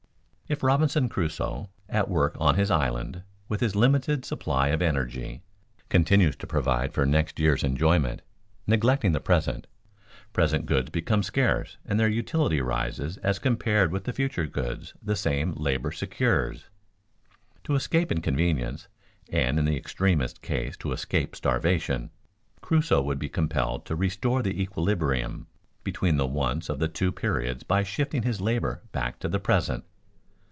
If Robinson Crusoe, at work on his island with his limited supply of energy, continues to provide for next year's enjoyment, neglecting the present, present goods become scarce and their utility rises as compared with the future goods the same labor secures. To escape inconvenience, and in the extremest case to escape starvation, Crusoe would be compelled to restore the equilibrium between the wants of the two periods by shifting his labor back to the present.